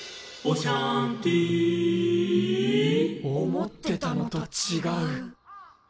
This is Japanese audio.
思ってたのとちがう。